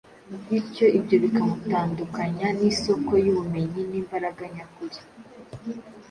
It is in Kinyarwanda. bityo ibyo bikamutandukanya n’isoko y’ubumenyi n’imbaraga nyakuri.